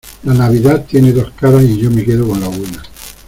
la Navidad tiene dos caras y yo me quedo con la buena